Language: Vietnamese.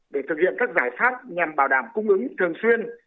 để thực hiện các giải pháp nhằm bảo đảm cung ứng thường xuyên